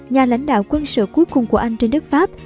nhà lãnh đạo quân sự cuối cùng của anh trên đất pháp